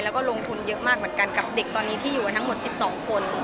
และลงทุนเยอะมากกับเด็กตอนนี้ที่อยู่ทั้งหมด๑๒คน